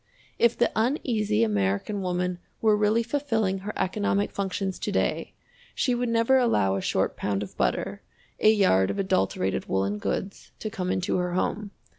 If the Uneasy American Woman were really fulfilling her economic functions to day, she would never allow a short pound of butter, a yard of adulterated woolen goods, to come into her home.